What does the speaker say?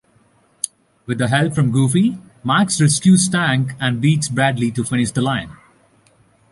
With help from Goofy, Max rescues Tank and beats Bradley to the finish line.